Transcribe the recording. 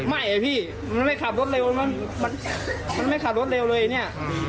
อ่ะพี่มันไม่ขับรถเร็วมันไม่ขับรถเร็วเลยเนี่ย